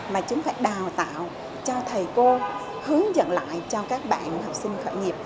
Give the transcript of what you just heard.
mà chúng phải đào tạo cho thầy cô hướng dẫn lại cho các bạn học sinh khởi nghiệp